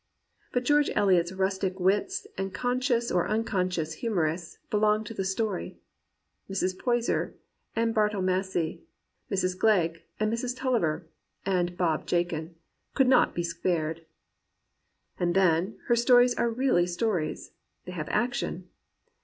But George Eliot's rustic wits and conscious or unconscious humourists belong to the story. Mrs. Poyser and Bartle Massey, Mrs. Glegg and Mrs. TuUiver and Bob Jakin, could not be spared. And then, her stories are really stories. They have action.